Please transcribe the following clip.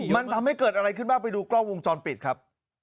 มันทำให้เกิดอะไรขึ้นบ้างไปดูกล้องวงจรปิดครับ